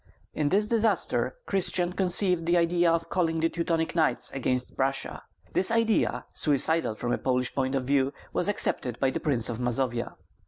In this disaster Christian conceived the idea of calling in the Teutonic Knights against Prussia. This idea, suicidal from a Polish point of view, was accepted by the Prince of Mazovia.